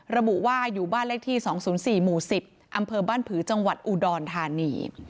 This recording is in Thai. ระบุว่าอยู่บ้านเลขที่๒๐๔หมู่๑๐อำเภอบ้านผือจังหวัดอุดรธานี